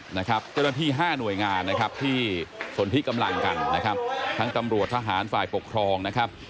เจ้าหน้าที่๕หน่วยงานที่สนพิกำลังกันทั้งตำรวจทหารฝ่ายปกครองนะครับ